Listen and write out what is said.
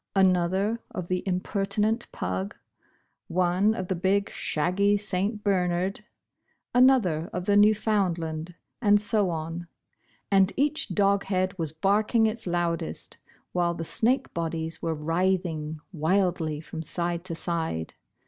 another o( the impertinent pug, o o Bosh Bosh Oil. one of the big, shaggy St. Bernard, another of the Newfoundland, and so on ; and each dog head was barking its loudest, while the snake bodies were writhing wildly from side to side.